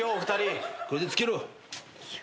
これで付けろ。